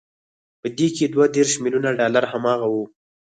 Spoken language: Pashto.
په دې کې دوه دېرش ميليونه ډالر هماغه وو